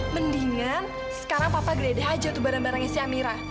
mendingan sekarang papa gede aja tuh bareng barengin si amira